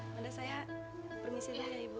udah udah saya permisi aja ibu